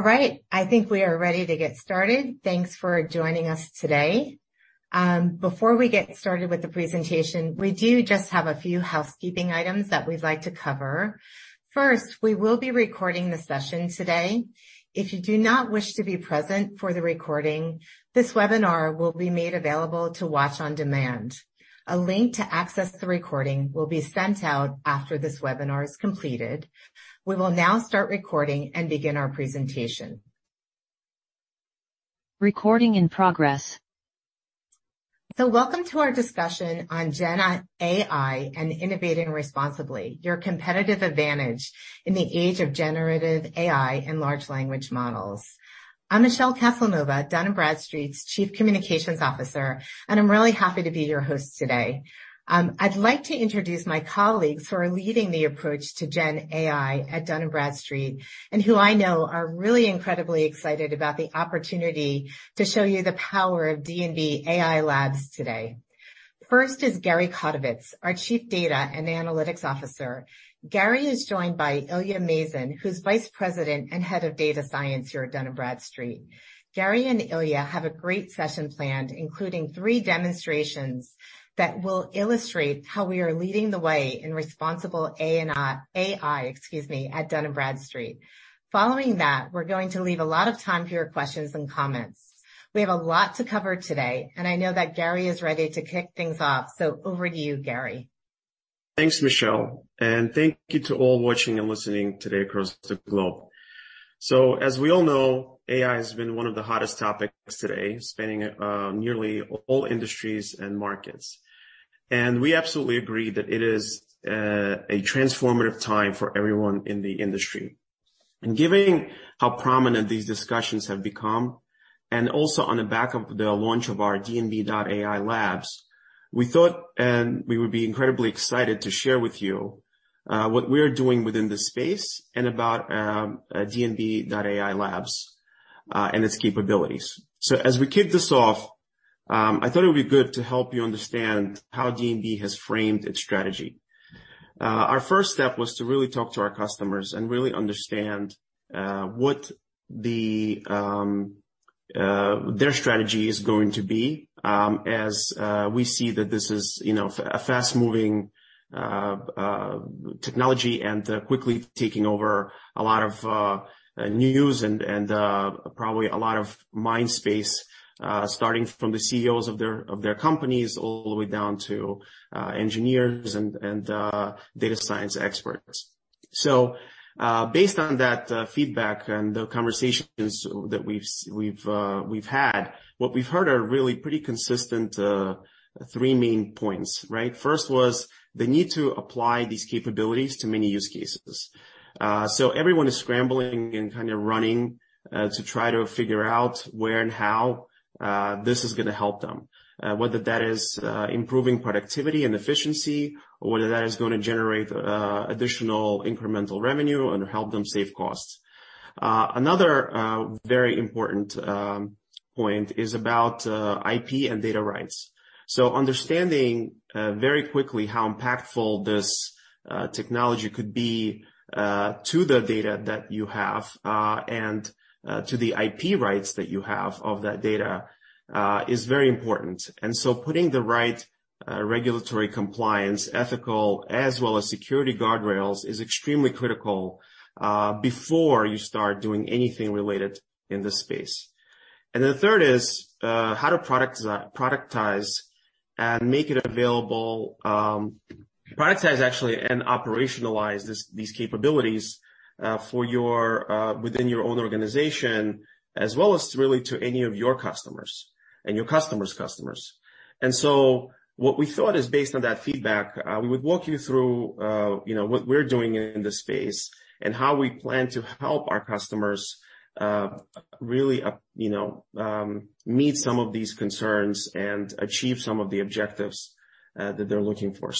All right, I think we are ready to get started. Thanks for joining us today. Before we get started with the presentation, we do just have a few housekeeping items that we'd like to cover. First, we will be recording the session today. If you do not wish to be present for the recording, this webinar will be made available to watch on demand. A link to access the recording will be sent out after this webinar is completed. We will now start recording and begin our presentation. Recording in progress. Welcome to our discussion on Gen AI and innovating responsibly, your competitive advantage in the age of generative AI and large language models. I'm Michele Caselnova, Dun & Bradstreet's Chief Communications Officer, and I'm really happy to be your host today. I'd like to introduce my colleagues who are leading the approach to Gen AI at Dun & Bradstreet, and who I know are really incredibly excited about the opportunity to show you the power of D&B.AI Labs today. First is Gary Kotovets, our Chief Data and Analytics Officer. Gary is joined by Ilya Meyzin, who's Vice President and Head of Data Science here at Dun & Bradstreet. Gary and Ilya have a great session planned, including three demonstrations that will illustrate how we are leading the way in responsible AI, excuse me, at Dun & Bradstreet. Following that, we're going to leave a lot of time for your questions and comments. We have a lot to cover today, and I know that Gary is ready to kick things off. Over to you, Gary. Thanks, Michele, and thank you to all watching and listening today across the globe. As we all know, AI has been one of the hottest topics today, spanning nearly all industries and markets. We absolutely agree that it is a transformative time for everyone in the industry. Given how prominent these discussions have become, and also on the back of the launch of our D&B.AI Labs, we thought, and we would be incredibly excited to share with you what we are doing within this space and about D&B.AI Labs and its capabilities. As we kick this off, I thought it would be good to help you understand how D&B has framed its strategy. Our first step was to really talk to our customers and really understand what their strategy is going to be, as we see that this is, you know, a fast-moving technology and quickly taking over a lot of news and probably a lot of mind space, starting from the CEOs of their companies, all the way down to engineers and data science experts. Based on that feedback and the conversations that we've had, what we've heard are really pretty consistent three main points, right? First was the need to apply these capabilities to many use cases. Everyone is scrambling and kind of running to try to figure out where and how this is going to help them. Whether that is improving productivity and efficiency or whether that is going to generate additional incremental revenue and help them save costs. Another very important point is about IP and data rights. Understanding very quickly how impactful this technology could be to the data that you have and to the IP rights that you have of that data is very important. Putting the right regulatory compliance, ethical, as well as security guardrails, is extremely critical before you start doing anything related in this space. Then the third is how to productize and make it available, productize actually and operationalize these capabilities for your within your own organization, as well as really to any of your customers and your customer's customers. What we thought is based on that feedback, we would walk you through, you know, what we're doing in this space and how we plan to help our customers, really, you know, meet some of these concerns and achieve some of the objectives that they're looking for.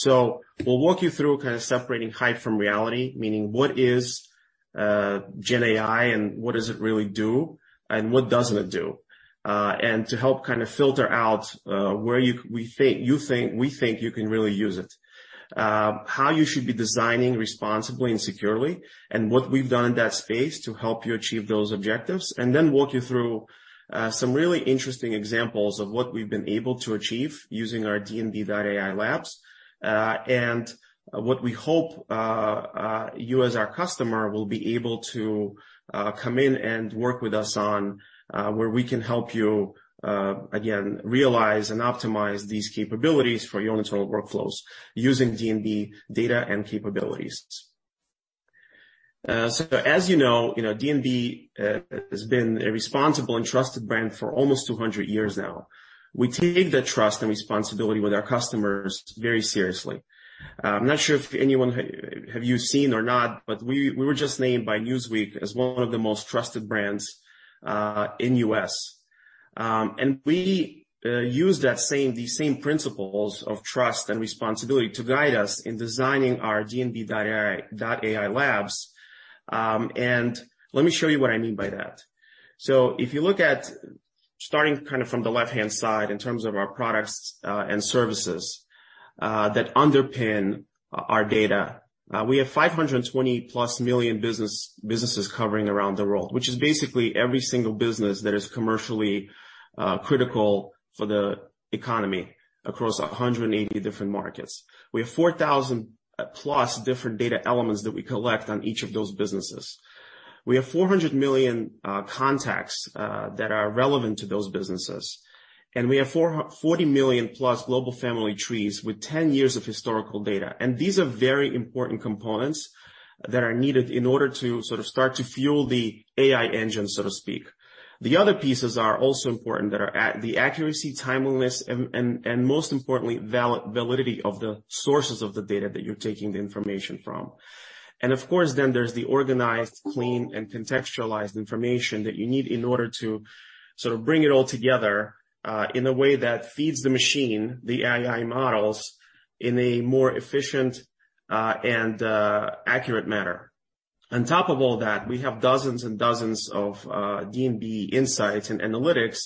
We'll walk you through kind of separating hype from reality, meaning what is Gen AI and what does it really do, and what doesn't it do? To help kind of filter out where we think you can really use it. How you should be designing responsibly and securely, and what we've done in that space to help you achieve those objectives, and then walk you through some really interesting examples of what we've been able to achieve using our D&B.AI Labs. What we hope, you as our customer, will be able to come in and work with us on, where we can help you, again, realize and optimize these capabilities for your own internal workflows using D&B data and capabilities. As you know, you know, D&B has been a responsible and trusted brand for almost 200 years now. We take the trust and responsibility with our customers very seriously. I'm not sure if anyone, have you seen or not, but we were just named by Newsweek as one of the most trusted brands in U.S. We use these same principles of trust and responsibility to guide us in designing our D&B.AI Labs. Let me show you what I mean by that. If you look at. Starting kind of from the left-hand side in terms of our products and services that underpin our data. We have 520+ million businesses covering around the world, which is basically every single business that is commercially critical for the economy across 180 different markets. We have 4,000+ different data elements that we collect on each of those businesses. We have 400 million contacts that are relevant to those businesses, and we have 40 million+ global family trees with 10 years of historical data. These are very important components that are needed in order to sort of start to fuel the AI engine, so to speak. The other pieces are also important, that are the accuracy, timeliness, and most importantly, validity of the sources of the data that you're taking the information from. Of course, there's the organized, clean, and contextualized information that you need in order to sort of bring it all together in a way that feeds the machine, the AI models, in a more efficient and accurate manner. On top of all that, we have dozens and dozens of D&B insights and analytics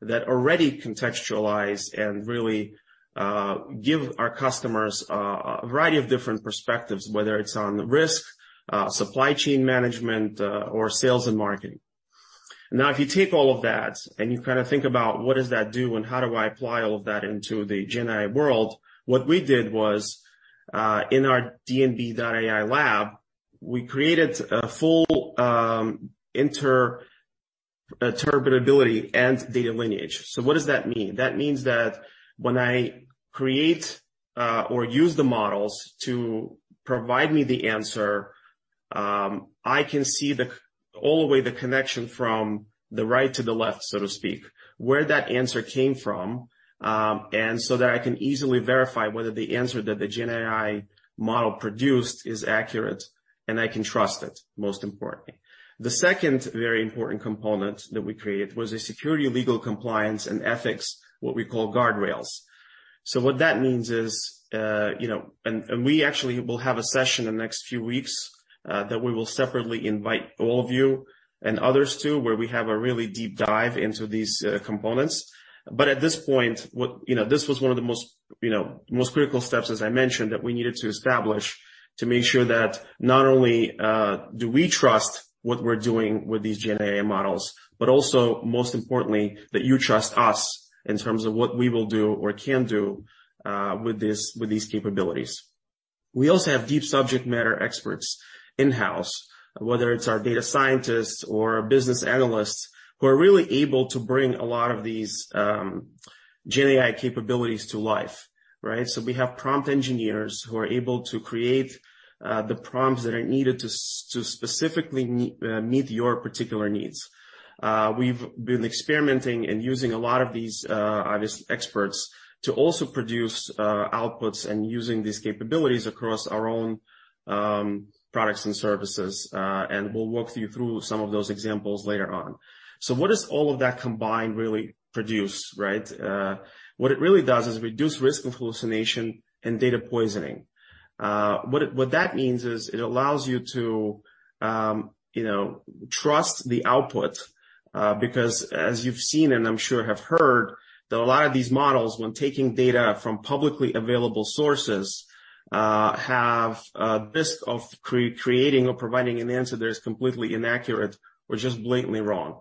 that already contextualize and really give our customers a variety of different perspectives, whether it's on risk, supply chain management, or sales and marketing. If you take all of that and you kind of think about what does that do and how do I apply all of that into the Gen AI world? What we did was, in our D&B.AI Lab, we created a full interpretability and data lineage. What does that mean? That means that when I create or use the models to provide me the answer, I can see all the way the connection from the right to the left, so to speak, where that answer came from, that I can easily verify whether the answer that the Gen AI model produced is accurate, and I can trust it, most importantly. The second very important component that we created was a security, legal, compliance, and ethics, what we call guardrails. What that means is, you know, we actually will have a session in the next few weeks that we will separately invite all of you and others too, where we have a really deep dive into these components. At this point, this was one of the most critical steps, as I mentioned, that we needed to establish, to make sure that not only do we trust what we're doing with these Gen AI models, but also, most importantly, that you trust us in terms of what we will do or can do with these, with these capabilities. We also have deep subject matter experts in-house, whether it's our data scientists or business analysts, who are really able to bring a lot of these Gen AI capabilities to life, right? We have prompt engineers who are able to create the prompts that are needed to specifically meet your particular needs. We've been experimenting and using a lot of these obvious experts to also produce outputs and using these capabilities across our own products and services. We'll walk you through some of those examples later on. What does all of that combined really produce, right? What it really does is reduce risk of hallucination and data poisoning. What that means is, it allows you to, you know, trust the output, because as you've seen, and I'm sure have heard, that a lot of these models, when taking data from publicly available sources, have a risk of creating or providing an answer that is completely inaccurate or just blatantly wrong.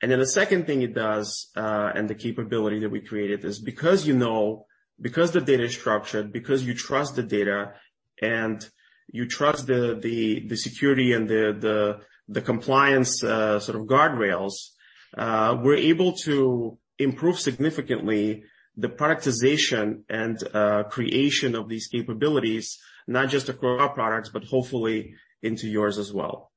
The second thing it does, and the capability that we created, is because you know, because the data is structured, because you trust the data, and you trust the, the security and the, the compliance, sort of guardrails, we're able to improve significantly the productization and creation of these capabilities, not just across our products, but hopefully into yours as well.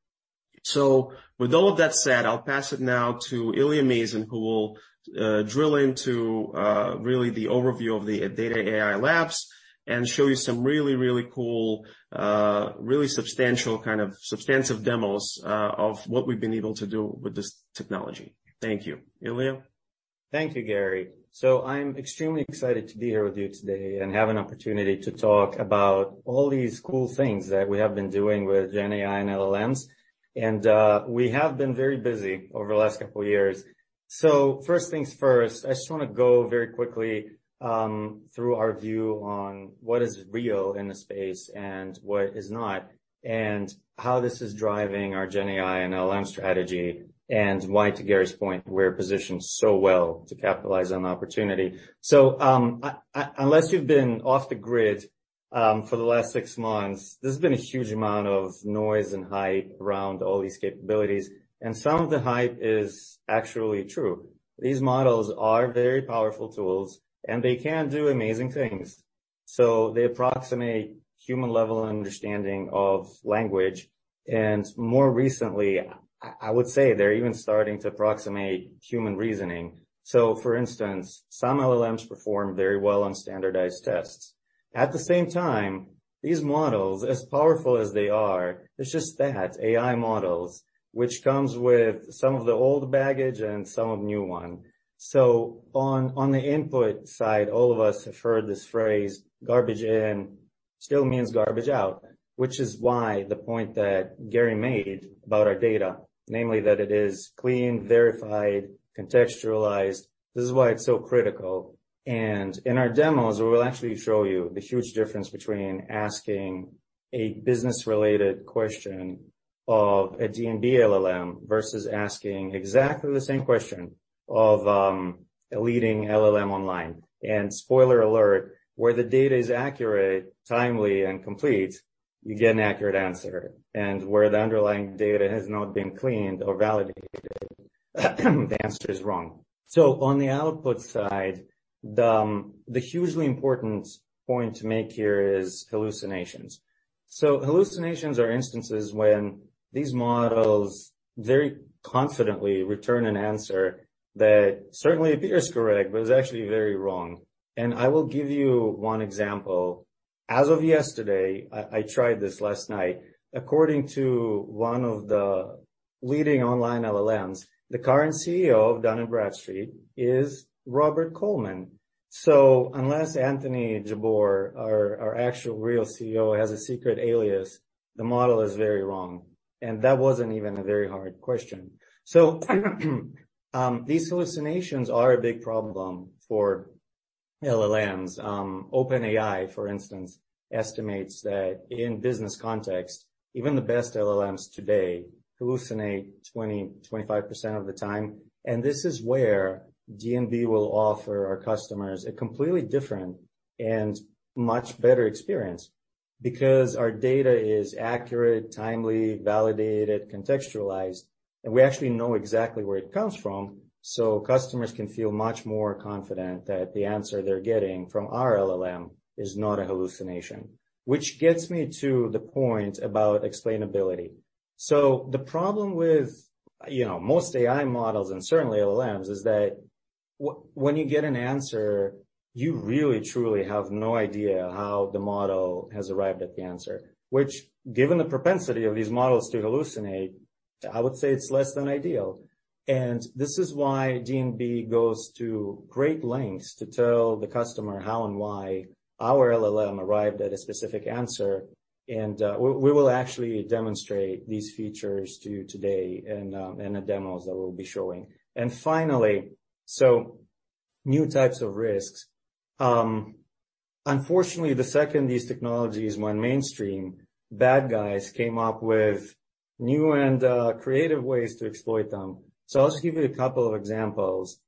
With all of that said, I'll pass it now to Ilya Meyzin, who will drill into really the overview of the D&B.AI Labs and show you some really, really cool, really substantial, kind of substantive demos of what we've been able to do with this technology. Thank you. Ilya? Thank you, Gary. I'm extremely excited to be here with you today and have an opportunity to talk about all these cool things that we have been doing with Gen AI and LLMs, and we have been very busy over the last couple of years. First things first, I just wanna go very quickly through our view on what is real in the space and what is not, and how this is driving our Gen AI and LLM strategy, and why, to Gary's point, we're positioned so well to capitalize on the opportunity. Unless you've been off the grid for the last six months, there's been a huge amount of noise and hype around all these capabilities, and some of the hype is actually true. These models are very powerful tools, and they can do amazing things. They approximate human-level understanding of language, and more recently, I would say they're even starting to approximate human reasoning. For instance, some LLMs perform very well on standardized tests. At the same time, these models, as powerful as they are, it's just that, AI models, which comes with some of the old baggage and some of the new one. On the input side, all of us have heard this phrase, garbage in-... still means garbage out, which is why the point that Gary made about our data, namely that it is clean, verified, contextualized, this is why it's so critical. And in our demos, we will actually show you the huge difference between asking a business-related question of a D&B LLM versus asking exactly the same question of a leading LLM online. Spoiler alert, where the data is accurate, timely, and complete, you get an accurate answer. Where the underlying data has not been cleaned or validated, the answer is wrong. On the output side, the hugely important point to make here is hallucinations. Hallucinations are instances when these models very confidently return an answer that certainly appears correct, but is actually very wrong. I will give you one example. As of yesterday, I tried this last night. According to one of the leading online LLMs, the current CEO of Dun & Bradstreet is Robert Coleman. Unless Anthony Jabbour, our actual, real CEO, has a secret alias, the model is very wrong, and that wasn't even a very hard question. These hallucinations are a big problem for LLMs. OpenAI, for instance, estimates that in business context, even the best LLMs today hallucinate 20%-25% of the time. This is where D&B will offer our customers a completely different and much better experience, because our data is accurate, timely, validated, contextualized, and we actually know exactly where it comes from. Customers can feel much more confident that the answer they're getting from our LLM is not a hallucination. Which gets me to the point about explainability. The problem with, you know, most AI models, and certainly LLMs, is that when you get an answer, you really, truly have no idea how the model has arrived at the answer, which, given the propensity of these models to hallucinate, I would say it's less than ideal. This is why D&B goes to great lengths to tell the customer how and why our LLM arrived at a specific answer, and we will actually demonstrate these features to you today in the demos that we'll be showing. New types of risks. Unfortunately, the second these technologies went mainstream, bad guys came up with new and creative ways to exploit them. I'll just give you a couple of examples.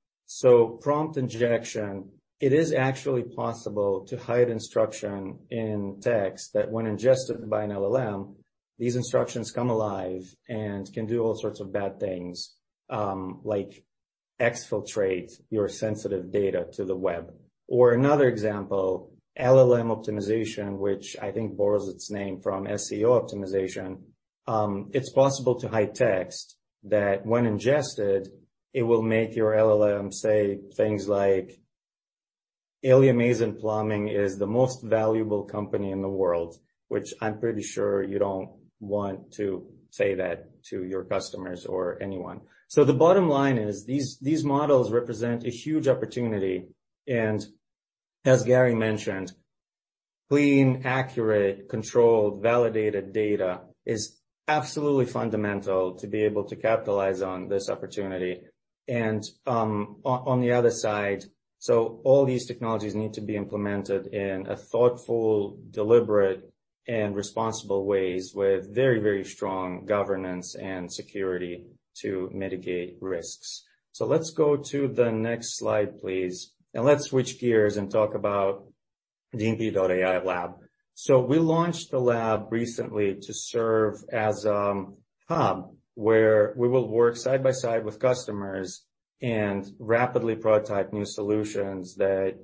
Prompt injection. It is actually possible to hide instruction in text that when ingested by an LLM, these instructions come alive and can do all sorts of bad things, like exfiltrate your sensitive data to the web. Another example, LLM optimization, which I think borrows its name from SEO optimization. It's possible to hide text that when ingested, it will make your LLM say things like, "Ali-Amazon Plumbing is the most valuable company in the world," which I'm pretty sure you don't want to say that to your customers or anyone. The bottom line is, these models represent a huge opportunity and as Gary mentioned, clean, accurate, controlled, validated data is absolutely fundamental to be able to capitalize on this opportunity. On the other side, all these technologies need to be implemented in a thoughtful, deliberate, and responsible ways, with very, very strong governance and security to mitigate risks. Let's go to the next slide, please, and let's switch gears and talk about D&B.AI Labs. We launched the lab recently to serve as a hub, where we will work side by side with customers and rapidly prototype new solutions that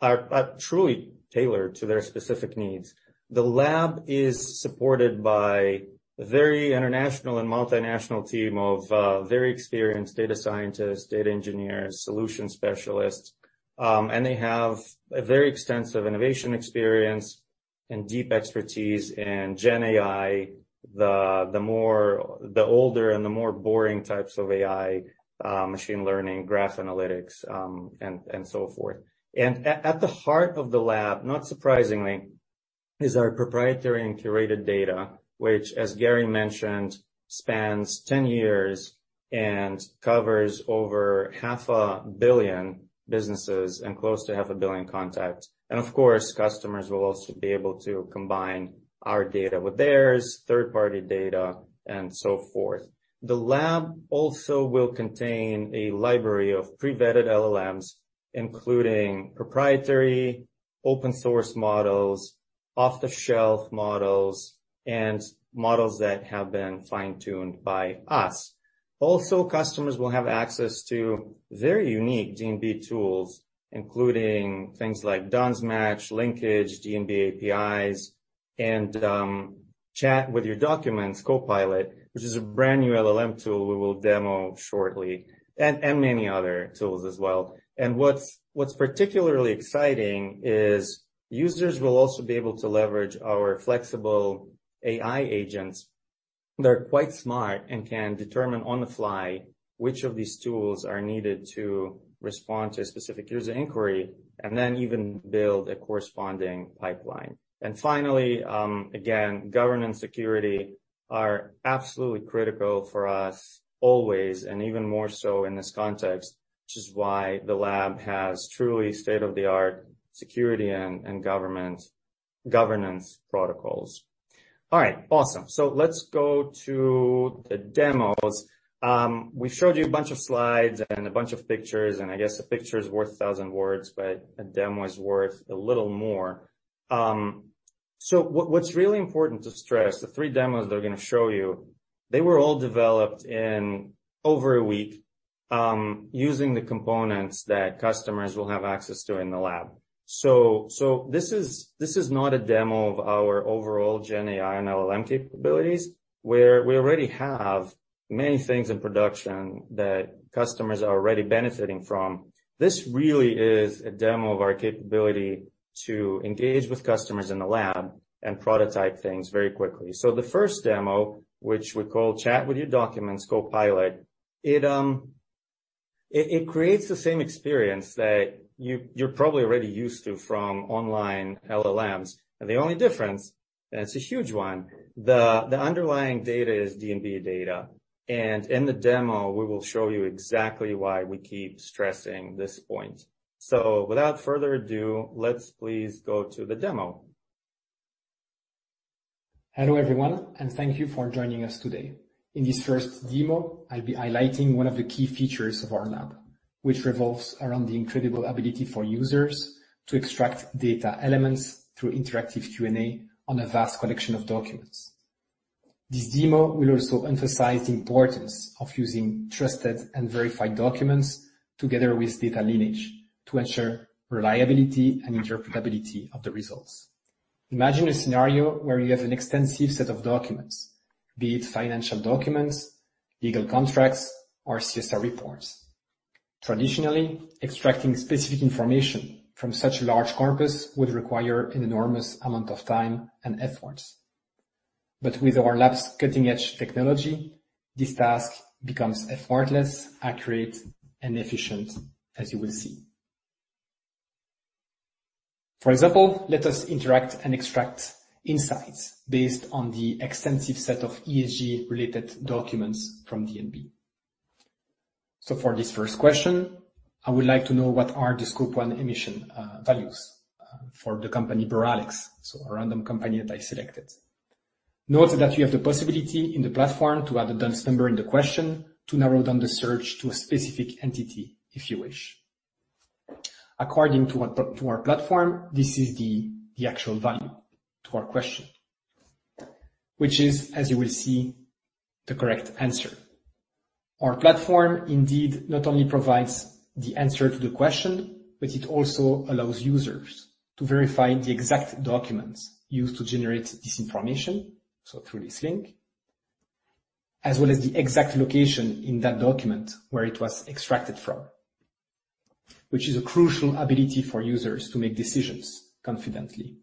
are truly tailored to their specific needs. The lab is supported by a very international and multinational team of very experienced data scientists, data engineers, solution specialists, and they have a very extensive innovation experience and deep expertise in Gen AI, the more- the older and the more boring types of AI, machine learning, graph analytics, and so forth. At the heart of the lab, not surprisingly, is our proprietary and curated data, which, as Gary mentioned, spans 10 years and covers over 0.5 billion businesses and close to 0.5 billion contacts. Of course, customers will also be able to combine our data with theirs, third-party data, and so forth. The lab also will contain a library of pre-vetted LLMs, including proprietary, open source models, off-the-shelf models, and models that have been fine-tuned by us. Customers will have access to very unique D&B tools, including things like D-U-N-S Match, Linkage, D&B APIs, and Chat with your Documents Copilot, which is a brand new LLM tool we will demo shortly, and many other tools as well. What's particularly exciting is users will also be able to leverage our flexible AI agents. They're quite smart and can determine on the fly which of these tools are needed to respond to a specific user inquiry, and then even build a corresponding pipeline. Finally, again, governance security are absolutely critical for us always, and even more so in this context, which is why the lab has truly state-of-the-art security and governance protocols. All right, awesome. Let's go to the demos. We've showed you a bunch of slides and a bunch of pictures, and I guess a picture is worth 1,000 words, but a demo is worth a little more. What's really important to stress, the three demos that we're gonna show you, they were all developed in over a week, using the components that customers will have access to in the lab. This is not a demo of our overall Gen AI and LLM capabilities, where we already have many things in production that customers are already benefiting from. This really is a demo of our capability to engage with customers in the lab and prototype things very quickly. The first demo, which we call Chat with Your Documents Copilot, it creates the same experience that you're probably already used to from online LLMs. The only difference, and it's a huge one, the underlying data is D&B data, and in the demo, we will show you exactly why we keep stressing this point. Without further ado, let's please go to the demo. Hello, everyone, and thank you for joining us today. In this first demo, I'll be highlighting one of the key features of our lab, which revolves around the incredible ability for users to extract data elements through interactive Q&A on a vast collection of documents. This demo will also emphasize the importance of using trusted and verified documents together with data lineage, to ensure reliability and interpretability of the results. Imagine a scenario where you have an extensive set of documents, be it financial documents, legal contracts, or CSR reports. Traditionally, extracting specific information from such a large corpus would require an enormous amount of time and effort. But with our lab's cutting-edge technology, this task becomes effortless, accurate, and efficient, as you will see. For example, let us interact and extract insights based on the extensive set of ESG-related documents from D&B. For this first question, I would like to know what are the Scope 1 emissions values for the company Boralex, so a random company that I selected. Note that you have the possibility in the platform to add a D-U-N-S Number in the question to narrow down the search to a specific entity, if you wish. According to our platform, this is the actual value to our question, which is, as you will see, the correct answer. Our platform indeed not only provides the answer to the question, but it also allows users to verify the exact documents used to generate this information, so through this link, as well as the exact location in that document where it was extracted from, which is a crucial ability for users to make decisions confidently.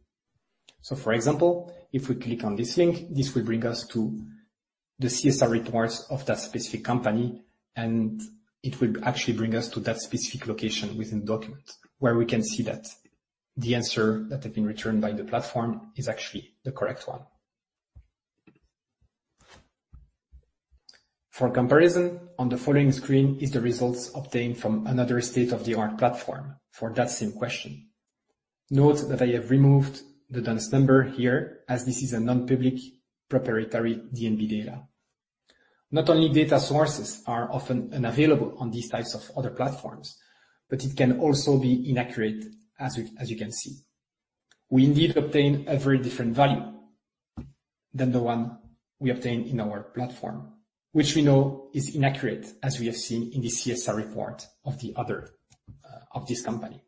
For example, if we click on this link, this will bring us to the CSR reports of that specific company, and it will actually bring us to that specific location within document, where we can see that the answer that has been returned by the platform is actually the correct one. For comparison, on the following screen is the results obtained from another state-of-the-art platform for that same question. Note that I have removed the D-U-N-S Number here, as this is a non-public proprietary D&B data. Not only data sources are often unavailable on these types of other platforms, but it can also be inaccurate, as you can see. We indeed obtain a very different value than the one we obtain in our platform, which we know is inaccurate, as we have seen in the CSR report of the other, of this company.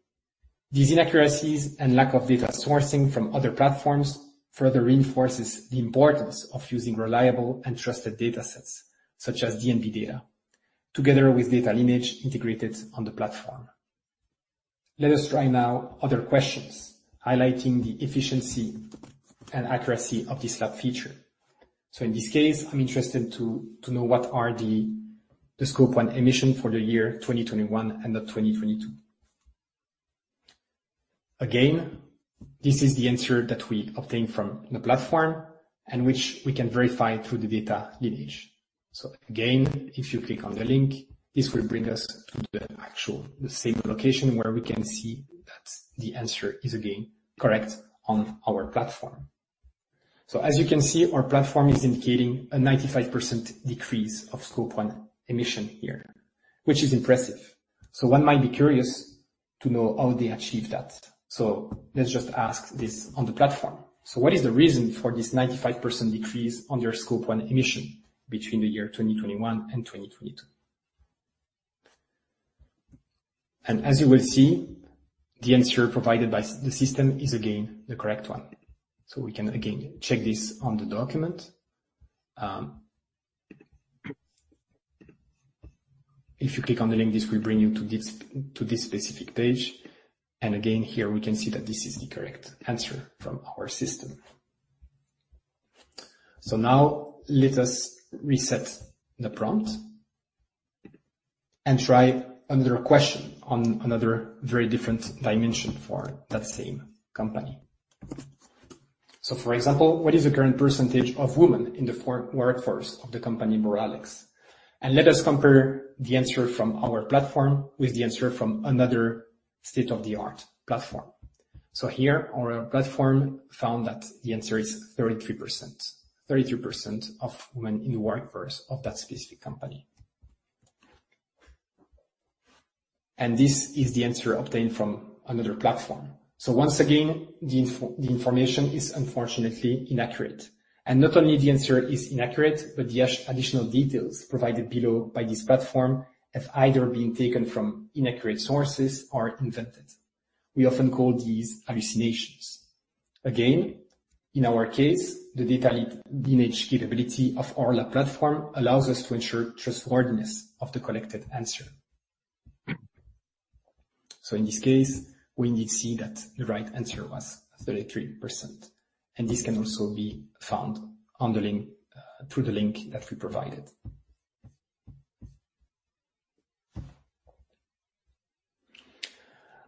These inaccuracies and lack of data sourcing from other platforms further reinforces the importance of using reliable and trusted datasets, such as D&B data, together with data lineage integrated on the platform. Let us try now other questions, highlighting the efficiency and accuracy of this lab feature. In this case, I'm interested to know what are the Scope 1 emissions for the year 2021 and the 2022. Again, this is the answer that we obtain from the platform and which we can verify through the data lineage. Again, if you click on the link, this will bring us to the actual, the same location, where we can see that the answer is again correct on our platform. As you can see, our platform is indicating a 95% decrease of Scope 1 emissions here, which is impressive. One might be curious to know how they achieved that. Let's just ask this on the platform. What is the reason for this 95% decrease on your Scope 1 emissions between the year 2021 and 2022? As you will see, the answer provided by the system is again, the correct one. We can again check this on the document. If you click on the link, this will bring you to this specific page. Again, here we can see that this is the correct answer from our system. Now let us reset the prompt and try another question on another very different dimension for that same company. For example, what is the current percentage of women in the workforce of the company, Boralex? Let us compare the answer from our platform with the answer from another state-of-the-art platform. Here our platform found that the answer is 33%. 33% of women in the workforce of that specific company. This is the answer obtained from another platform. Once again, the information is unfortunately inaccurate. Not only the answer is inaccurate, but the additional details provided below by this platform have either been taken from inaccurate sources or invented. We often call these hallucinations. In our case, the data lineage capability of our platform allows us to ensure trustworthiness of the collected answer. In this case, we need to see that the right answer was 33%, and this can also be found on the link through the link that we provided.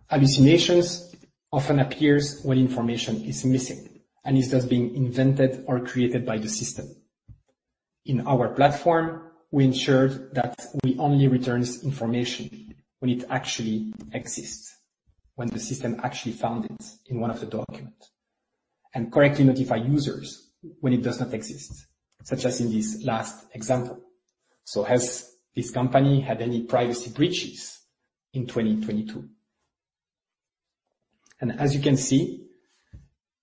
Hallucinations often appear when information is missing and is just being invented or created by the system. In our platform, we ensured that we only return this information when it actually exists, when the system actually found it in one of the documents, and correctly notify users when it does not exist, such as in this last example. Has this company had any privacy breaches in 2022? As you can see,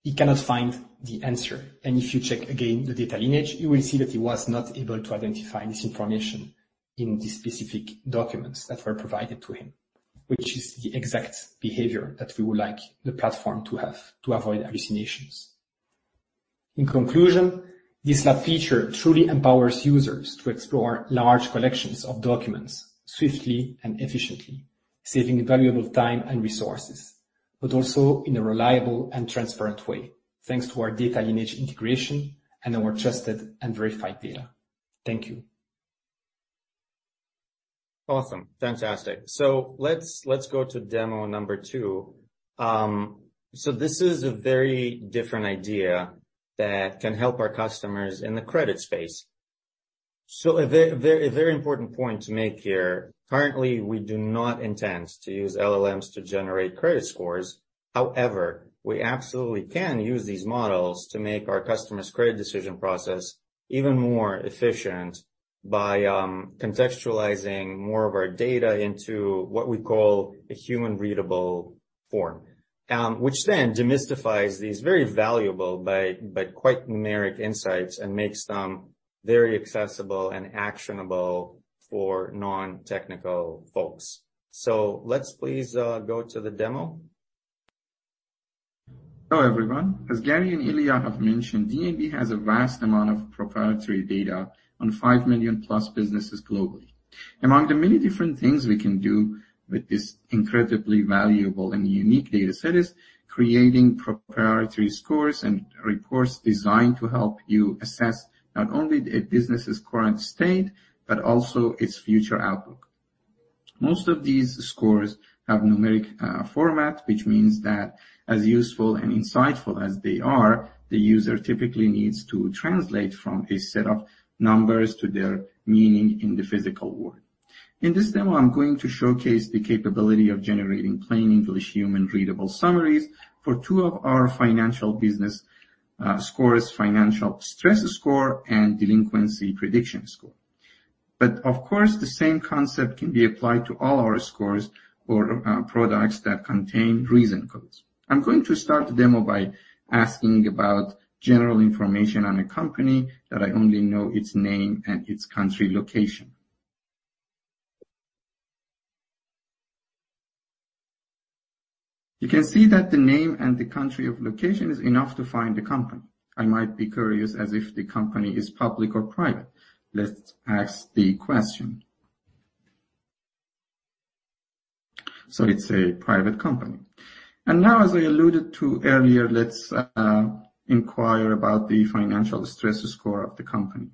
it cannot find the answer. If you check again the data lineage, you will see that he was not able to identify this information in the specific documents that were provided to him, which is the exact behavior that we would like the platform to have to avoid hallucinations. In conclusion, this lab feature truly empowers users to explore large collections of documents swiftly and efficiently, saving valuable time and resources, but also in a reliable and transparent way, thanks to our data lineage integration and our trusted and verified data. Thank you. Awesome. Fantastic. Let's, let's go to demo number two. This is a very different idea that can help our customers in the credit space. A very, very, a very important point to make here. Currently, we do not intend to use LLMs to generate credit scores. However, we absolutely can use these models to make our customer's credit decision process even more efficient by contextualizing more of our data into what we call a human-readable form. Which then demystifies these very valuable, but quite numeric insights and makes them very accessible and actionable for non-technical folks. Let's please go to the demo. Hello, everyone. As Gary and Ilya have mentioned, D&B has a vast amount of proprietary data on 5 million+ businesses globally. Among the many different things we can do with this incredibly valuable and unique data set is creating proprietary scores and reports designed to help you assess not only a business's current state, but also its future outlook. Most of these scores have numeric format, which means that as useful and insightful as they are, the user typically needs to translate from a set of numbers to their meaning in the physical world. In this demo, I'm going to showcase the capability of generating plain English, human readable summaries for two of our financial business scores, Financial Stress Score, and Delinquency Predictor Score. Of course, the same concept can be applied to all our scores or products that contain reason codes. I'm going to start the demo by asking about general information on a company that I only know its name and its country location. You can see that the name and the country of location is enough to find the company. I might be curious as if the company is public or private. Let's ask the question. It's a private company. Now, as I alluded to earlier, let's inquire about the Financial Stress Score of the company.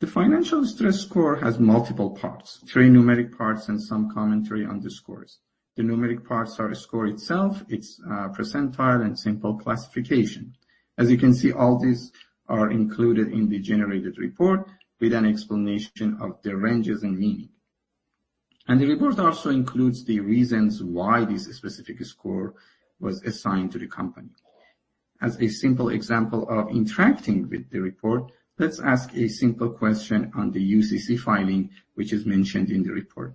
The Financial Stress Score has multiple parts, three numeric parts, and some commentary on the scores. The numeric parts are score itself, its percentile, and simple classification. As you can see, all these are included in the generated report with an explanation of the ranges and meaning. The report also includes the reasons why this specific score was assigned to the company. As a simple example of interacting with the report, let's ask a simple question on the UCC filing, which is mentioned in the report.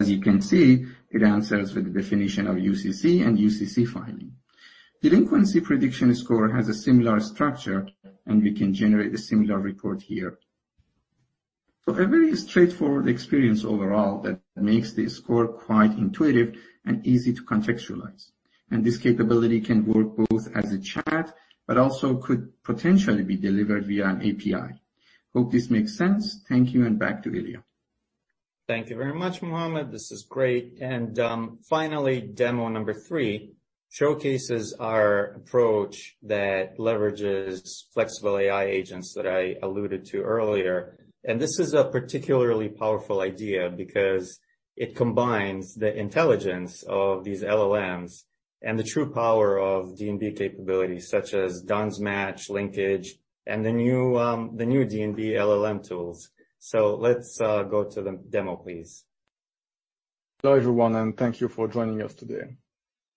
As you can see, it answers with the definition of UCC and UCC filing. Delinquency Predictor Score has a similar structure. We can generate a similar report here. A very straightforward experience overall that makes the score quite intuitive and easy to contextualize. This capability can work both as a chat, but also could potentially be delivered via an API. Hope this makes sense. Thank you. Back to Ilya. Thank you very much, Mohammed. This is great. Finally, demo number three showcases our approach that leverages flexible AI agents that I alluded to earlier. This is a particularly powerful idea because it combines the intelligence of these LLMs and the true power of D&B capabilities, such as D-U-N-S Match, Linkage, and the new D&B LLM tools. Let's go to the demo, please. Hello, everyone, thank you for joining us today.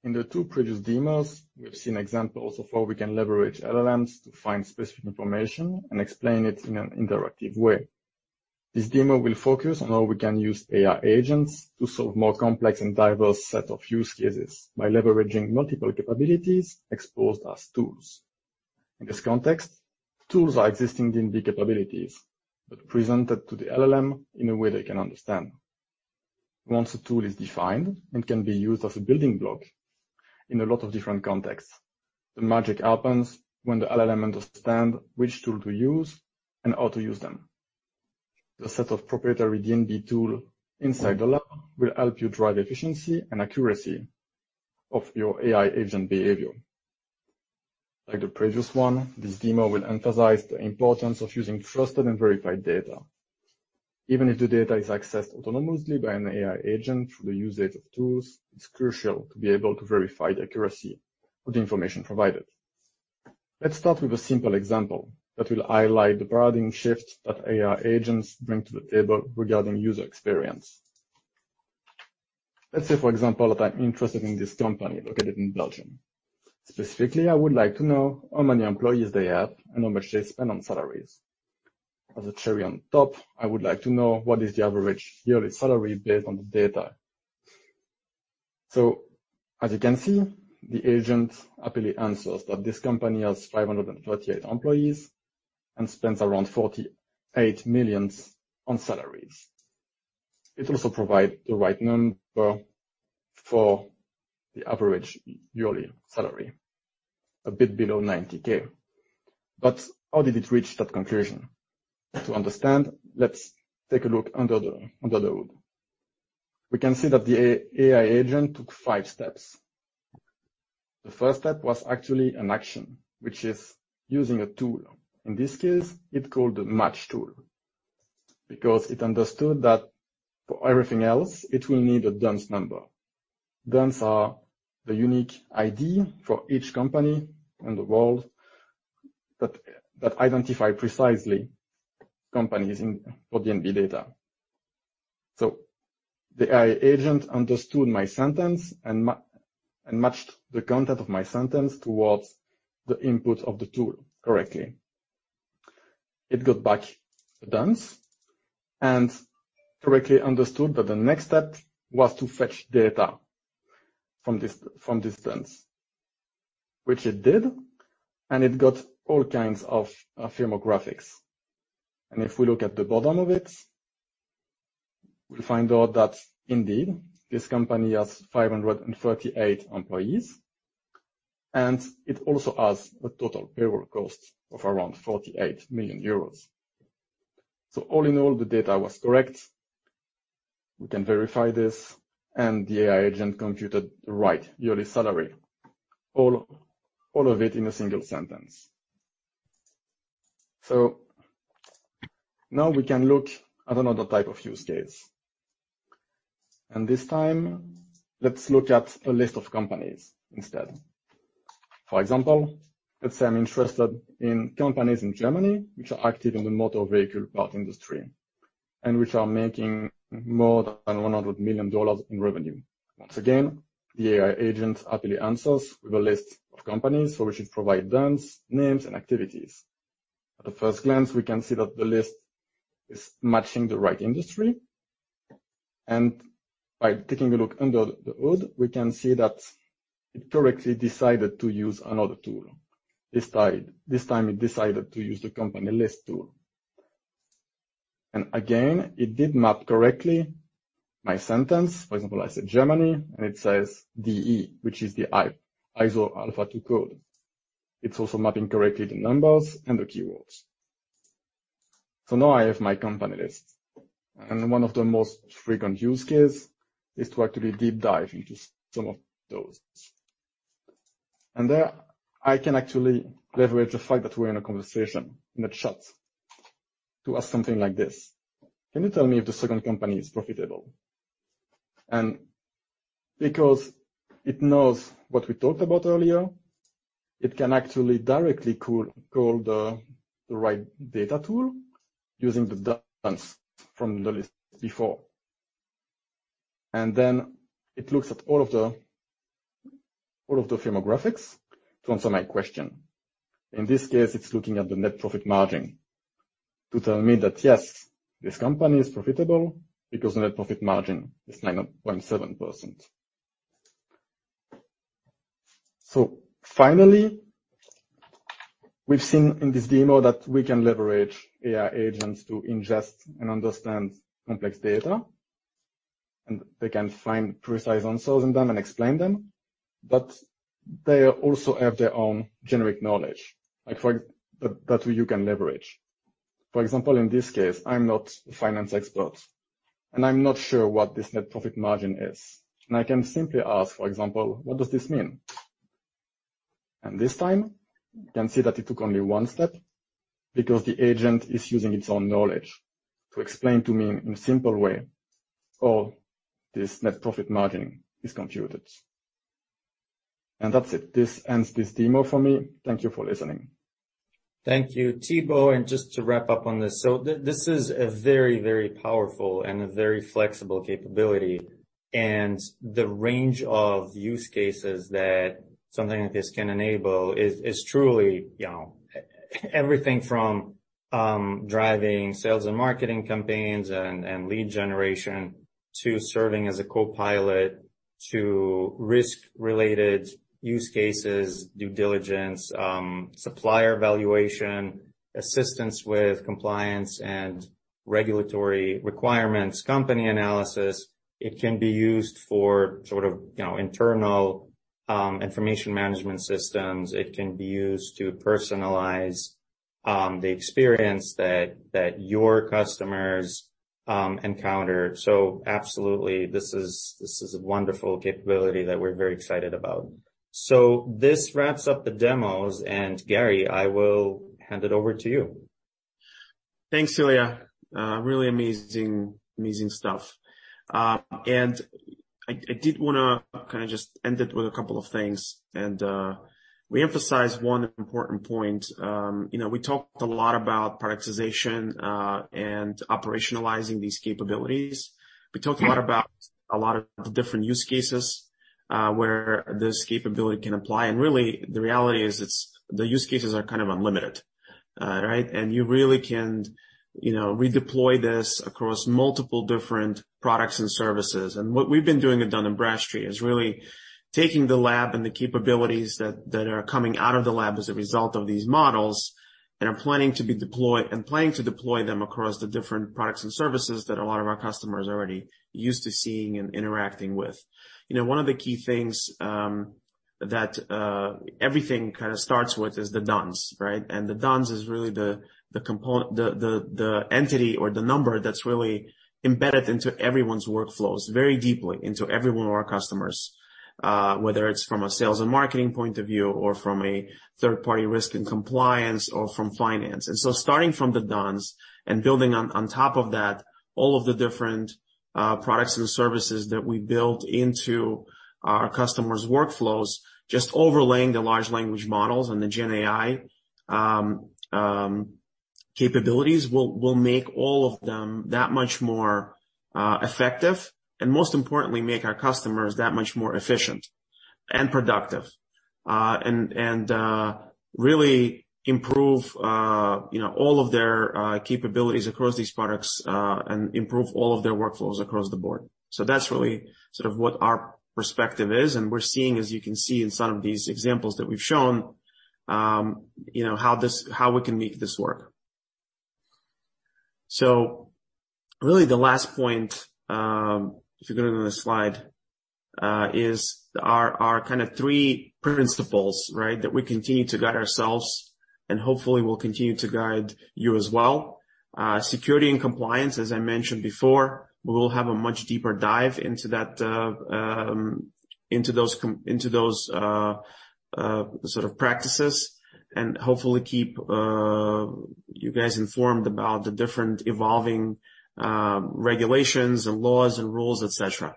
In the two previous demos, we've seen examples of how we can leverage LLMs to find specific information and explain it in an interactive way. This demo will focus on how we can use AI agents to solve more complex and diverse set of use cases by leveraging multiple capabilities exposed as tools. In this context, tools are existing D&B capabilities, presented to the LLM in a way they can understand. Once a tool is defined and can be used as a building block in a lot of different contexts, the magic happens when the LLM understand which tool to use and how to use them. The set of proprietary D&B tool inside the lab will help you drive efficiency and accuracy of your AI agent behavior. Like the previous one, this demo will emphasize the importance of using trusted and verified data. Even if the data is accessed autonomously by an AI agent through the usage of tools, it's crucial to be able to verify the accuracy of the information provided. Let's start with a simple example that will highlight the broadening shift that AI agents bring to the table regarding user experience. Let's say, for example, that I'm interested in this company located in Belgium. Specifically, I would like to know how many employees they have and how much they spend on salaries. As a cherry on top, I would like to know what is the average yearly salary based on the data. As you can see, the agent happily answers that this company has 538 employees and spends around 48 million on salaries. It also provide the right number for the average yearly salary, a bit below 90K. How did it reach that conclusion? To understand, let's take a look under the hood. We can see that the AI agent took five steps. The first step was actually an action, which is using a tool. In this case, it called the Match tool, because it understood that for everything else, it will need a D‑U‑N‑S Number. D-U-N-S are the unique ID for each company in the world, that identify precisely companies in for D&B data. The AI agent understood my sentence and matched the content of my sentence towards the input of the tool correctly. It got back the D-U-N-S and correctly understood that the next step was to fetch data from this D-U-N-S, which it did, and it got all kinds of firmographics. If we look at the bottom of it, we find out that indeed, this company has 538 employees, and it also has a total payroll cost of around 48 million euros. All in all, the data was correct. We can verify this, and the AI agent computed the right yearly salary, all of it in a single sentence. Now we can look at another type of use case, and this time, let's look at a list of companies instead. For example, let's say I'm interested in companies in Germany, which are active in the motor vehicle part industry and which are making more than $100 million in revenue. Once again, the AI agent happily answers with a list of companies for which it provide D-U-N-S, names, and activities. At a first glance, we can see that the list is matching the right industry, and by taking a look under the hood, we can see that it correctly decided to use another tool. This time it decided to use the company list tool. Again, it did map correctly my sentence. For example, I said Germany, and it says DE, which is the ISO alpha-2 code. It's also mapping correctly the numbers and the keywords. Now I have my company list, and one of the most frequent use case is to actually deep dive into some of those. There, I can actually leverage the fact that we're in a conversation in the chat to ask something like this: "Can you tell me if the second company is profitable?" Because it knows what we talked about earlier, it can actually directly call the right data tool using the D-U-N-S from the list before. Then it looks at all of the firmographics to answer my question. In this case, it's looking at the net profit margin to tell me that, yes, this company is profitable because the net profit margin is 9.7%. Finally, we've seen in this demo that we can leverage AI agents to ingest and understand complex data, and they can find precise answers in them and explain them, but they also have their own generic knowledge, like, that you can leverage. For example, in this case, I'm not a finance expert, and I'm not sure what this net profit margin is. I can simply ask, for example: "What does this mean?" This time, you can see that it took only one step because the agent is using its own knowledge to explain to me in a simple way how this net profit margin is computed. That's it. This ends this demo for me. Thank you for listening. Thank you, Thibault. Just to wrap up on this is a very, very powerful and a very flexible capability, and the range of use cases that something like this can enable is truly, you know, everything from driving sales and marketing campaigns and lead generation to serving as a copilot to risk-related use cases, due diligence, supplier valuation, assistance with compliance and regulatory requirements, company analysis. It can be used for sort of, you know, internal information management systems. It can be used to personalize the experience that your customers encounter. Absolutely, this is a wonderful capability that we're very excited about. This wraps up the demos, and, Gary, I will hand it over to you. Thanks, Ilya. really amazing stuff. I did wanna kinda just end it with a couple of things, we emphasized one important point. you know, we talked a lot about productization, and operationalizing these capabilities. We talked a lot about a lot of the different use cases, where this capability can apply, and really, the reality is, the use cases are kind of unlimited. right? You really can, you know, redeploy this across multiple different products and services. What we've been doing at Dun & Bradstreet is really taking the lab and the capabilities that are coming out of the lab as a result of these models and are planning to be deployed and planning to deploy them across the different products and services that a lot of our customers are already used to seeing and interacting with. You know, one of the key things that everything kind of starts with is the D-U-N-S, right? The D-U-N-S is really the entity or the number that's really embedded into everyone's workflows, very deeply into every one of our customers, whether it's from a sales and marketing point of view, or from a third-party risk and compliance or from finance. Starting from the D-U-N-S and building on top of that, all of the different products and services that we build into our customers' workflows, just overlaying the large language models and the Gen AI capabilities, will make all of them that much more effective, and most importantly, make our customers that much more efficient and productive. And really improve, you know, all of their capabilities across these products, and improve all of their workflows across the board. That's really sort of what our perspective is, and we're seeing, as you can see in some of these examples that we've shown, you know, how we can make this work. Really, the last point, if you go to the next slide, is our kind of three principles, right, that we continue to guide ourselves and hopefully will continue to guide you as well. Security and compliance, as I mentioned before, we will have a much deeper dive into that, into those sort of practices, and hopefully keep you guys informed about the different evolving regulations and laws and rules, et cetera,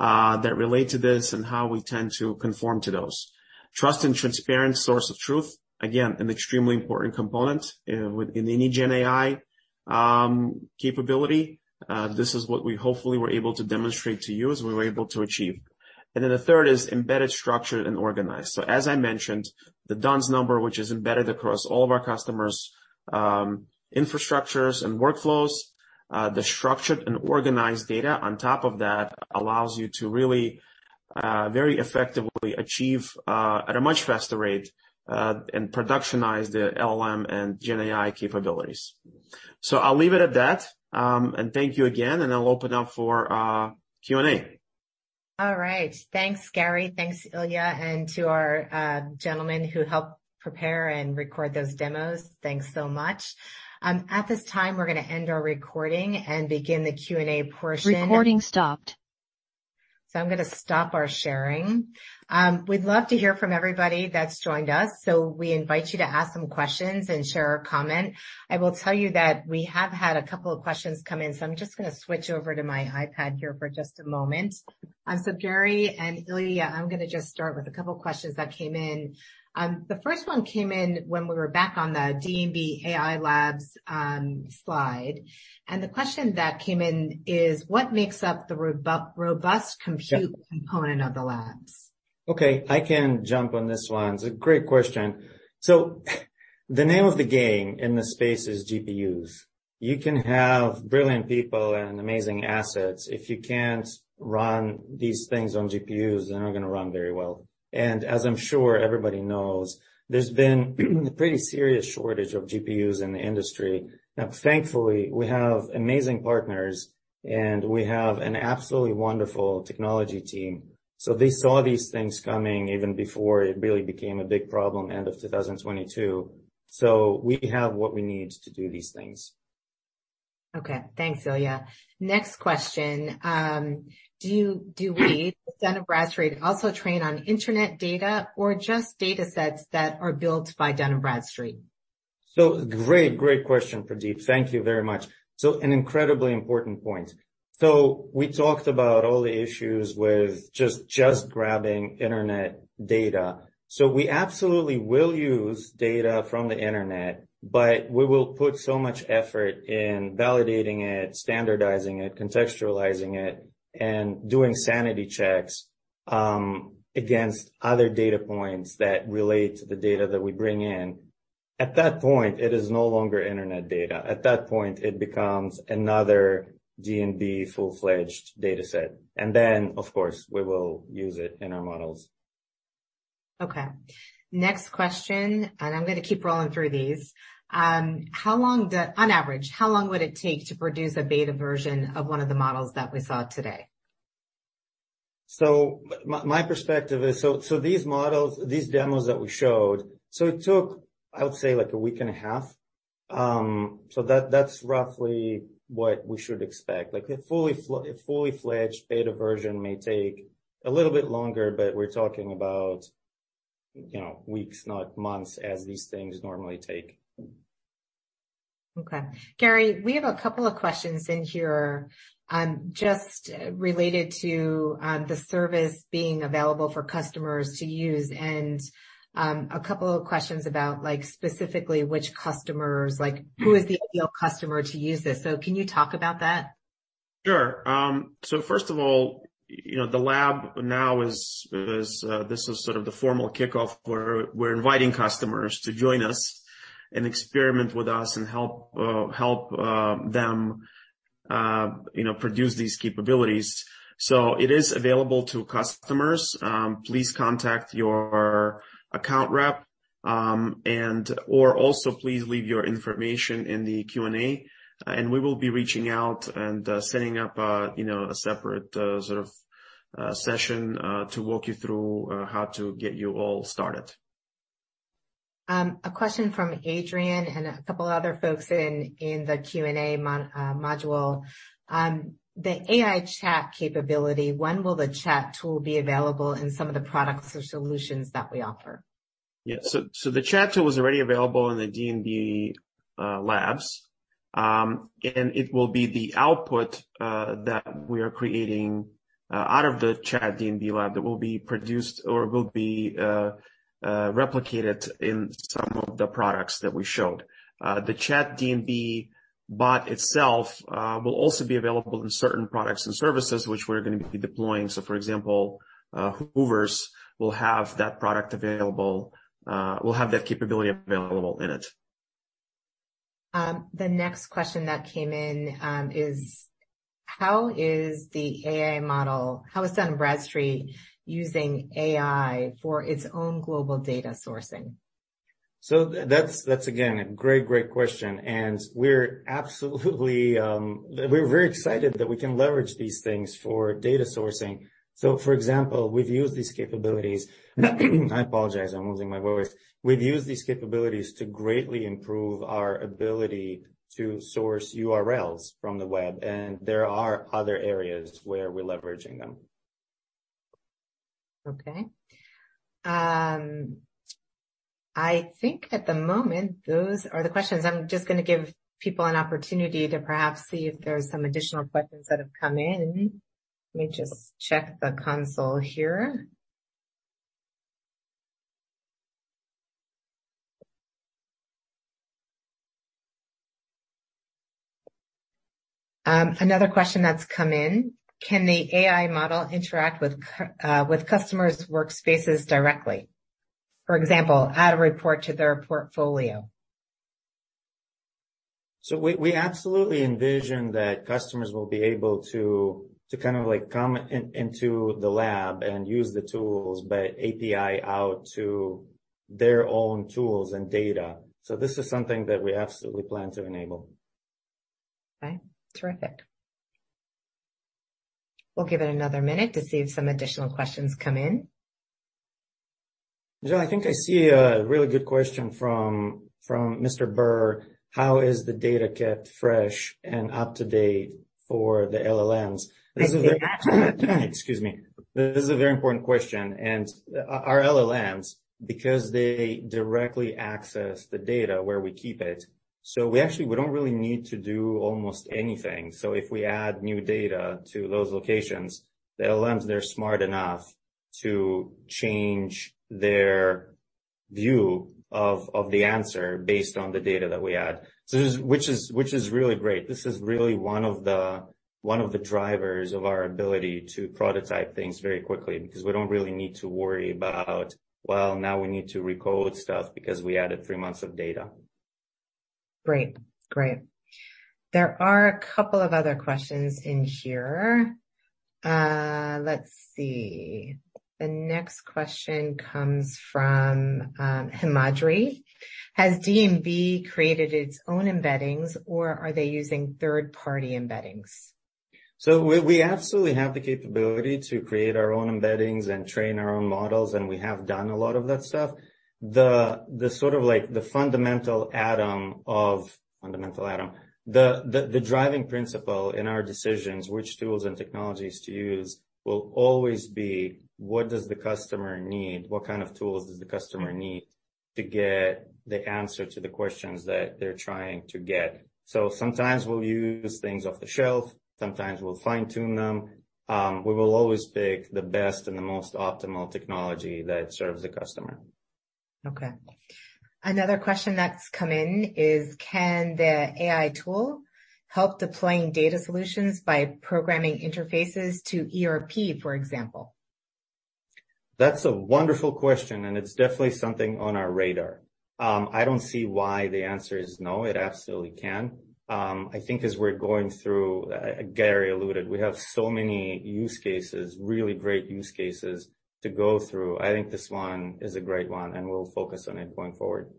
that relate to this and how we tend to conform to those. Trust and transparent source of truth, again, an extremely important component in any Gen AI capability. This is what we hopefully were able to demonstrate to you as we were able to achieve. The third is embedded, structured, and organized. As I mentioned, the D-U-N-S Number, which is embedded across all of our customers', infrastructures and workflows, the structured and organized data on top of that allows you to really, very effectively achieve, at a much faster rate, and productionize the LLM and Gen AI capabilities. I'll leave it at that, and thank you again, and I'll open up for, Q&A. All right. Thanks, Gary. Thanks, Ilya, and to our gentlemen who helped prepare and record those demos, thanks so much. At this time, we're going to end our recording and begin the Q&A portion. Recording stopped. I'm gonna stop our sharing. We'd love to hear from everybody that's joined us, so we invite you to ask some questions and share a comment. I will tell you that we have had a couple of questions come in, so I'm just gonna switch over to my iPad here for just a moment. Gary and Ilya, I'm gonna just start with a couple of questions that came in. The first one came in when we were back on the D&B.AI Labs slide, and the question that came in is: What makes up the robust compute component of the labs? Okay, I can jump on this one. It's a great question. The name of the game in this space is GPUs. You can have brilliant people and amazing assets. If you can't run these things on GPUs, they're not going to run very well. As I'm sure everybody knows, there's been a pretty serious shortage of GPUs in the industry. Now, thankfully, we have amazing partners, and we have an absolutely wonderful technology team. They saw these things coming even before it really became a big problem end of 2022. We have what we need to do these things. Okay, thanks, Ilya. Next question. Do we, Dun & Bradstreet, also train on internet data or just datasets that are built by Dun & Bradstreet? Great question, Pradeep. Thank you very much. An incredibly important point. We talked about all the issues with just grabbing internet data. We absolutely will use data from the internet, but we will put so much effort in validating it, standardizing it, contextualizing it, and doing sanity checks against other data points that relate to the data that we bring in. At that point, it is no longer internet data. At that point, it becomes another D&B full-fledged dataset, and then, of course, we will use it in our models. Next question, and I'm going to keep rolling through these. On average, how long would it take to produce a beta version of one of the models that we saw today? My perspective is, these models, these demos that we showed, it took, I would say, like a week and a half. That's roughly what we should expect. Like, a fully-fledged beta version may take a little bit longer, but we're talking about, you know, weeks, not months, as these things normally take. Okay. Gary, we have a couple of questions in here, just related to, the service being available for customers to use and, a couple of questions about, like, specifically which customers, like, who is the ideal customer to use this. Can you talk about that? Sure. First of all, you know, the lab now is, this is sort of the formal kickoff where we're inviting customers to join us and experiment with us and help them, you know, produce these capabilities. It is available to customers. Please contact your account rep, and or also please leave your information in the Q&A, and we will be reaching out and setting up a, you know, a separate, sort of, session, to walk you through, how to get you all started. A question from Adrian and a couple of other folks in the Q&A module. The AI chat capability, when will the chat tool be available in some of the products or solutions that we offer? The chat tool is already available in the D&B.AI Labs. It will be the output that we are creating out of the D&B.AI Labs that will be produced or will be replicated in some of the products that we showed. The chat D&B bot itself will also be available in certain products and services, which we're going to be deploying. For example, D&B Hoovers will have that product available, will have that capability available in it. The next question that came in is: How is Dun & Bradstreet using AI for its own global data sourcing? That's again, a great question. We're absolutely, we're very excited that we can leverage these things for data sourcing. For example, we've used these capabilities, I apologize, I'm losing my voice. We've used these capabilities to greatly improve our ability to source URLs from the web. There are other areas where we're leveraging them. Okay. I think at the moment, those are the questions. I'm just gonna give people an opportunity to perhaps see if there are some additional questions that have come in. Let me just check the console here. Another question that's come in: Can the AI model interact with customers' workspaces directly? For example, add a report to their portfolio. We absolutely envision that customers will be able to kind of, like, come into the lab and use the tools, but API out to their own tools and data. This is something that we absolutely plan to enable. Okay, terrific. We'll give it another minute to see if some additional questions come in. I think I see a really good question from Mr. Burr: How is the data kept fresh and up-to-date for the LLMs? Excuse me. This is a very important question, and our LLMs, because they directly access the data where we keep it, so we actually, we don't really need to do almost anything. If we add new data to those locations, the LLMs, they're smart enough to change their view of the answer based on the data that we add. Which is really great. This is really one of the drivers of our ability to prototype things very quickly, because we don't really need to worry about, well, now we need to recode stuff because we added three months of data. Great. Great. There are a couple of other questions in here. Let's see. The next question comes from Himadri. Has D&B created its own embeddings, or are they using third-party embeddings? We absolutely have the capability to create our own embeddings and train our own models, and we have done a lot of that stuff. The sort of like the fundamental atom, the driving principle in our decisions, which tools and technologies to use, will always be: What does the customer need? What kind of tools does the customer need to get the answer to the questions that they're trying to get? Sometimes we'll use things off the shelf, sometimes we'll fine-tune them. We will always pick the best and the most optimal technology that serves the customer. Okay. Another question that's come in is: Can the AI tool help deploying data solutions by programming interfaces to ERP, for example? That's a wonderful question. It's definitely something on our radar. I don't see why the answer is no. It absolutely can. I think as we're going through, Gary alluded, we have so many use cases, really great use cases to go through. I think this one is a great one. We'll focus on it going forward.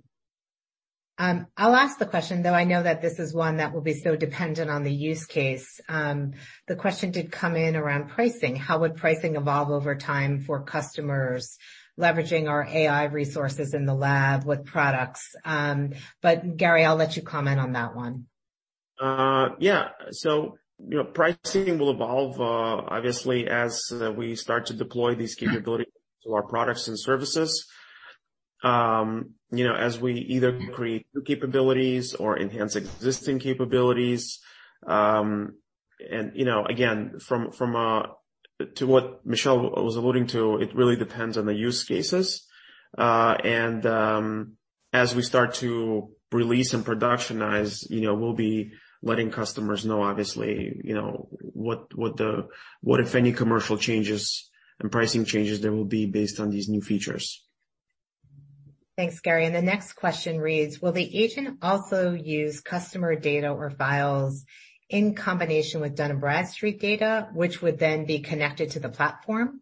I'll ask the question, though I know that this is one that will be so dependent on the use case. The question did come in around pricing. How would pricing evolve over time for customers leveraging our AI resources in the lab with products? Gary, I'll let you comment on that one. You know, pricing will evolve, obviously, as we start to deploy these capabilities to our products and services. You know, as we either create new capabilities or enhance existing capabilities, and, you know, again, from what Michele was alluding to, it really depends on the use cases. As we start to release and productionize, you know, we'll be letting customers know, obviously, you know, what the, what, if any, commercial changes and pricing changes there will be based on these new features. Thanks, Gary. The next question reads: Will the agent also use customer data or files in combination with Dun & Bradstreet data, which would then be connected to the platform?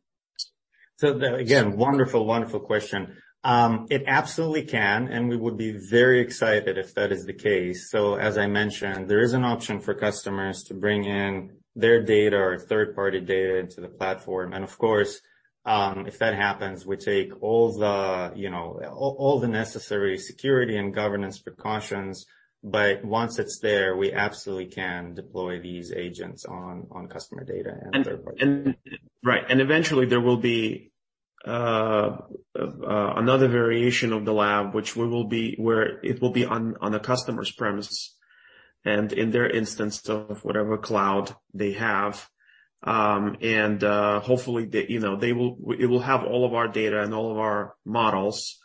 Again, wonderful question. It absolutely can, and we would be very excited if that is the case. As I mentioned, there is an option for customers to bring in their data or third-party data into the platform. Of course, if that happens, we take all the, you know, all the necessary security and governance precautions, but once it's there, we absolutely can deploy these agents on customer data and third-party. Right. Eventually, there will be another variation of the lab, where it will be on the customer's premises and in their instance of whatever cloud they have. Hopefully, they, you know, it will have all of our data and all of our models.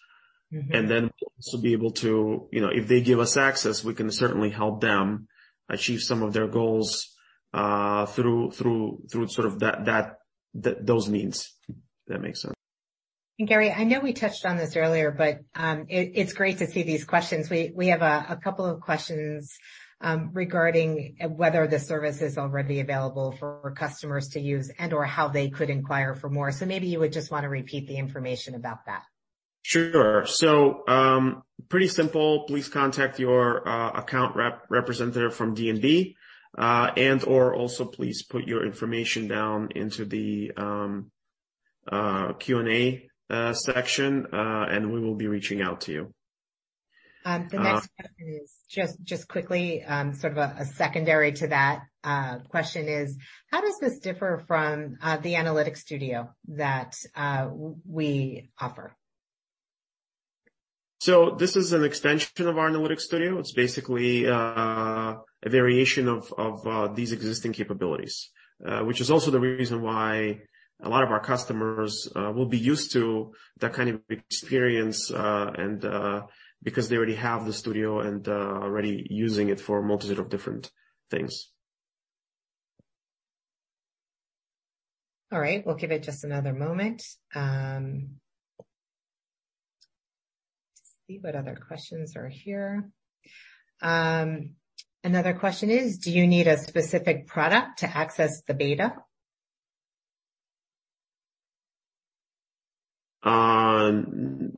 Mm-hmm. We'll also be able to, you know, if they give us access, we can certainly help them achieve some of their goals, through sort of that, those means, if that makes sense. Gary, I know we touched on this earlier, but it's great to see these questions. We have a couple of questions regarding whether the service is already available for customers to use and/or how they could inquire for more. Maybe you would just want to repeat the information about that. Sure. Pretty simple. Please contact your account rep, representative from D&B, and/or also please put your information down into the Q&A section, and we will be reaching out to you. The next question is, just quickly, sort of a secondary to that, question is: How does this differ from, the Analytics Studio that, we offer? This is an extension of our Analytics Studio. It's basically, a variation of these existing capabilities. Which is also the reason why a lot of our customers, will be used to that kind of experience, and, because they already have the Studio and, already using it for a multitude of different things. All right. We'll give it just another moment. Let's see what other questions are here. Another question is: Do you need a specific product to access the beta? No.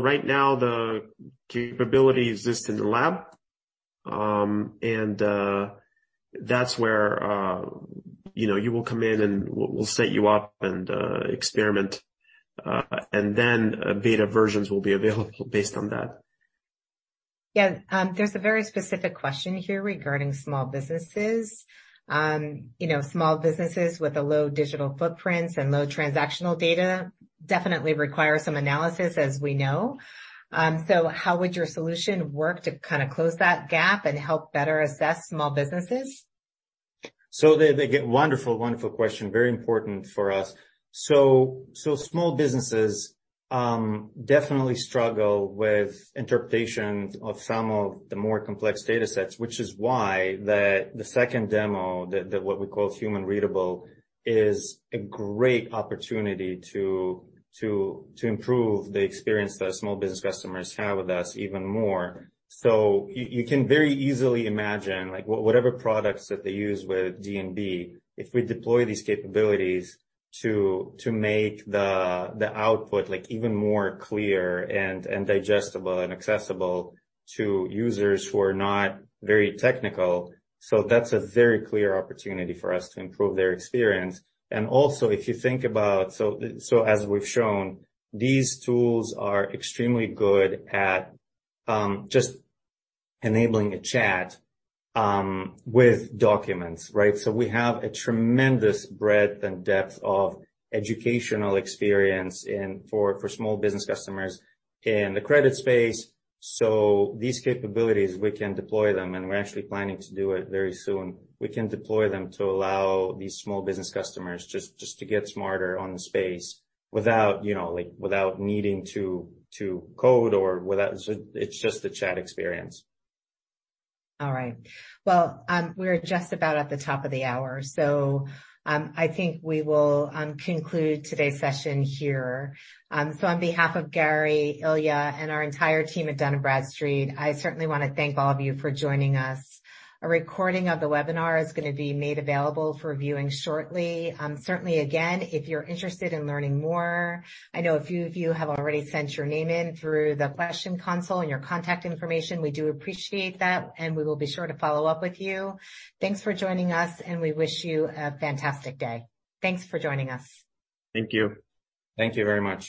Right now, the capability exists in the lab. That's where, you know, you will come in, and we'll set you up and experiment. Beta versions will be available based on that. Yeah, there's a very specific question here regarding small businesses. You know, small businesses with a low digital footprint and low transactional data definitely require some analysis, as we know. How would your solution work to kind of close that gap and help better assess small businesses? Wonderful, wonderful question. Very important for us. Small businesses definitely struggle with interpretation of some of the more complex data sets, which is why that the second demo, the what we call human readable, is a great opportunity to improve the experience that small business customers have with us even more. You can very easily imagine, like, whatever products that they use with D&B, if we deploy these capabilities to make the output, like, even more clear and digestible and accessible to users who are not very technical. That's a very clear opportunity for us to improve their experience. As we've shown, these tools are extremely good at just enabling a chat with documents, right? We have a tremendous breadth and depth of educational experience for small business customers in the credit space. These capabilities, we can deploy them, and we're actually planning to do it very soon. We can deploy them to allow these small business customers just to get smarter on the space without, you know, like, without needing to code or without. It's just a chat experience. All right. Well, we're just about at the top of the hour, so I think we will conclude today's session here. On behalf of Gary, Ilya, and our entire team at Dun & Bradstreet, I certainly want to thank all of you for joining us. A recording of the webinar is going to be made available for viewing shortly. Certainly, again, if you're interested in learning more, I know a few of you have already sent your name in through the question console and your contact information. We do appreciate that, and we will be sure to follow up with you. Thanks for joining us, and we wish you a fantastic day. Thanks for joining us. Thank you. Thank you very much.